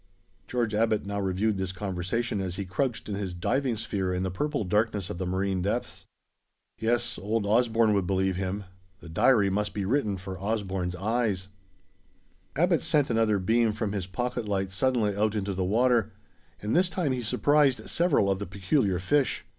George Abbot now reviewed this conversation as he crouched in his diving sphere in the purple darkness of the marine depths. Yes, old Osborne would believe him. The diary must be written for Osborne's eyes. Abbot sent another beam from his pocket light suddenly out into the water; and this time he surprised several of the peculiar fish.